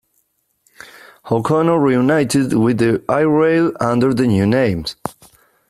O'Connor reunited with The I-Rails under the new name.